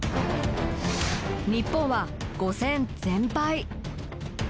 日本は５戦全敗。